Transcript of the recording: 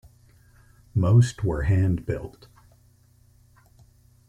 Most were hand-built.